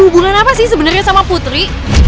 hubungan apa sih sebenarnya sama putri